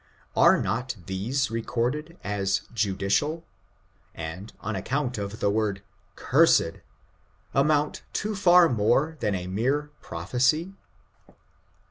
Are not these recorded as judicial, and, on accomit of the word cursed^ amount to far more than a mere prophesy?